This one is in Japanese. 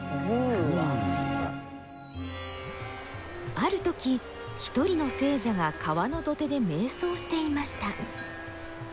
あるとき一人の聖者が川の土手でめい想していました。